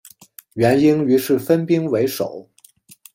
元英于是分兵围守。